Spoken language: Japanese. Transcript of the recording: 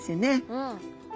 うん。